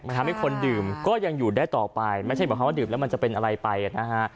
ทำให้คนดื่มก็ยังอยู่ได้ต่อไปไม่ใช่หมายความว่าดื่มแล้วมันจะเป็นอะไรไปนะฮะ